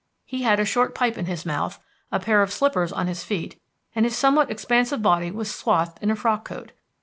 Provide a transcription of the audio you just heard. He had a short pipe in his mouth, a pair of slippers on his feet, and his somewhat expansive body was swathed in a frock coat.